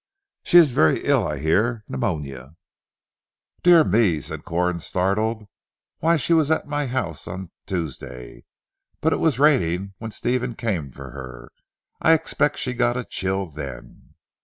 "She is very ill I hear. Pneumonia." "Dear me," said Corn startled, "why she was at my house on Tuesday! But it was raining when Stephen came for her. I expect she got a chill then."